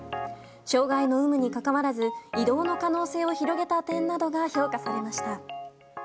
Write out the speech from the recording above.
障害の有無に関わらず移動の可能性を広げた点などが評価されました。